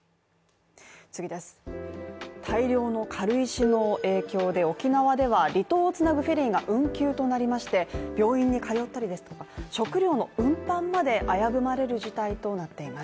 大量の軽石の影響で沖縄では離島を繋ぐフェリーが運休となりまして病院に通ったりですとか、食料の運搬まで危ぶまれる事態となっています。